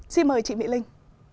xin mời chị mỹ linh